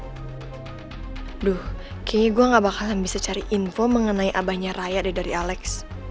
aduh kayaknya gue gak bakalan bisa cari info mengenai abahnya raya deh dari alex